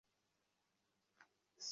গর্ভ থেকে সমাধি অবধি।